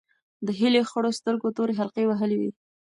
د هیلې خړو سترګو تورې حلقې وهلې وې.